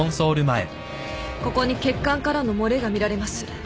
ここに血管からの漏れが見られます。